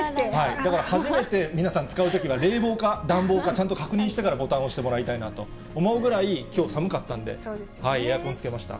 だから初めて、皆さん、使うときは冷房か、暖房かちゃんと確認してからボタンを押してもらいたいなと思うぐらい、きょう寒かったんで、エアコンつけました。